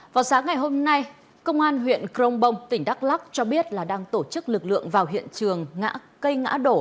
vào sáng ngày hôm nay công an huyện crong bong tỉnh đắk lắc cho biết là đang tổ chức lực lượng vào hiện trường cây ngã đổ